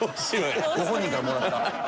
ご本人からもらった。